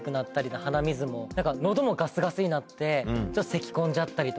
喉もガッサガサになってせき込んじゃったりとか。